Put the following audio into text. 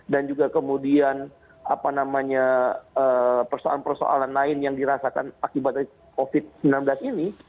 dan juga kemudian persoalan persoalan lain yang dirasakan akibat covid sembilan belas ini